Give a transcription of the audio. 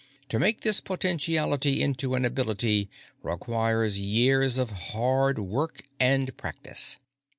To make this potentiality into an ability requires years of hard work and practice.